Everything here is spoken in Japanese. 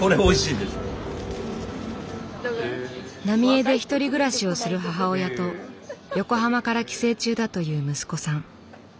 浪江で独り暮らしをする母親と横浜から帰省中だという息子さん。